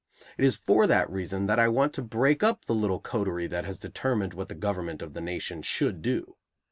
It is for that reason that I want to break up the little coterie that has determined what the government of the nation should do.